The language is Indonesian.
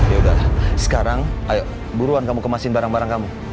yaudah sekarang ayo buruan kamu kemasin barang barang kamu